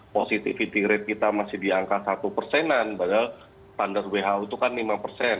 positivity rate kita masih di angka satu persenan padahal standar who itu kan lima persen